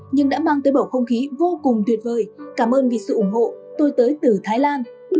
nhưng đã mang tới bầu không khí vô cùng tuyệt vời cảm ơn vì sự ủng hộ tôi tới từ thái lan